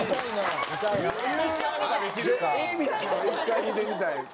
みたいなの一回見てみたい。